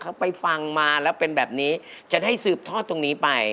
เขาไปฟังมาแล้วเป็นแบบนี้จะได้สืบทอดตรงนี้ไป